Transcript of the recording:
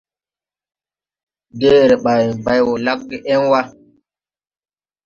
Deere bàyn bay wɔ lagge en wa.